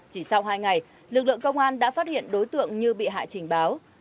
chỉ sau hai ngày lực lượng công an đã phát hiện đối tượng như bị hại trình báo